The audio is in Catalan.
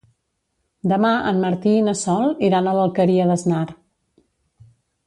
Demà en Martí i na Sol iran a l'Alqueria d'Asnar.